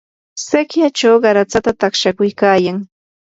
sikyachaw qaratsata taqshakuykayan.